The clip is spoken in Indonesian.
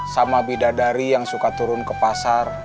sama bidadari yang suka turun ke pasar